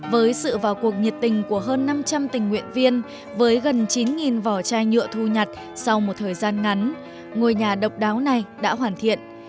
với sự vào cuộc nhiệt tình của hơn năm trăm linh tình nguyện viên với gần chín vỏ chai nhựa thu nhặt sau một thời gian ngắn ngôi nhà độc đáo này đã hoàn thiện